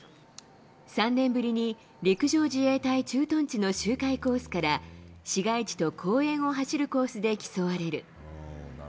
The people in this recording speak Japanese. ３年ぶりに陸上自衛隊駐屯地の周回コースから、市街地と公園を走るコースで競われる。